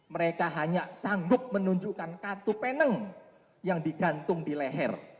mereka hanya sanggup menunjukkan kartu peneng yang digantung di leher